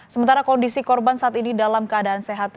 sementara kondisi korban saat ini dalam keadaan sehat